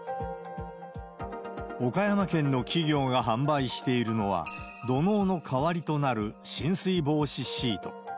岡山県の企業が販売しているのは、土のうの代わりとなる浸水防止シート。